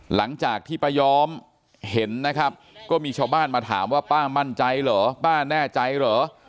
หลังจากที่ป้ายอมเห็นนะครับก็มีชาวบ้านมาถามว่าป้ามั่นใจเหรอป้าแน่ใจเหรอ